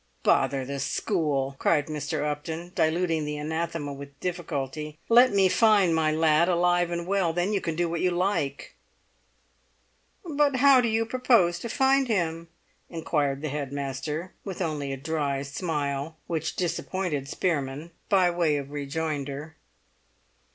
"Bother the school!" cried Mr. Upton, diluting the anathema with difficulty. "Let me find my lad alive and well; then you can do what you like." "But how do you propose to find him?" inquired the head master, with only a dry smile (which disappointed Spearman) by way of rejoinder.